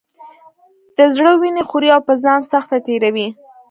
د زړه وینې خوري او په ځان سخته تېروي.